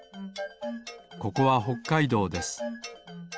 ここはほっかいどうです。